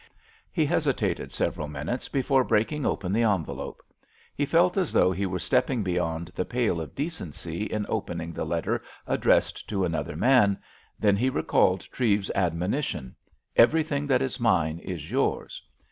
He hesitated several minutes before breaking open the envelope. He felt as though he were stepping beyond the pale of decency in opening the letter addressed to another man, then he recalled Treves's admonition, "Everything that is mine is yours."